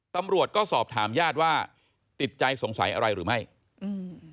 ตำรวจก็สอบถามญาติว่าติดใจสงสัยอะไรหรือไม่อืม